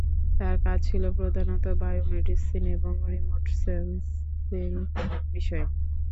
তার কাজ ছিল প্রধানত বায়ো-মেডিসিন এবং রিমোট সেন্সিং বিষয়ে।